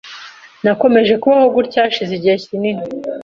Nakomeje kubaho gutyo hashize igihe kinini